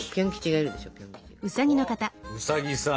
あウサギさん！